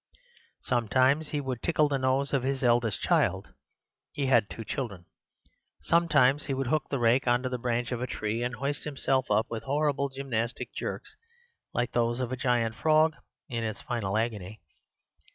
Sometimes he would tickle the nose of his eldest child (he had two children); sometimes he would hook the rake on to the branch of a tree, and hoist himself up with horrible gymnastic jerks, like those of a giant frog in its final agony.